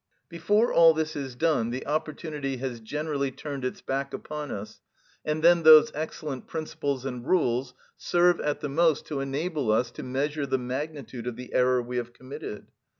Before all this is done the opportunity has generally turned its back upon us, and then those excellent principles and rules serve at the most to enable us to measure the magnitude of the error we have committed.